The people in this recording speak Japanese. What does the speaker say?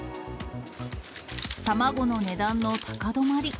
卵の値段の高止まり。